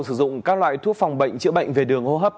do nhu cầu sử dụng các loại thuốc phòng bệnh chữa bệnh về đường hô hấp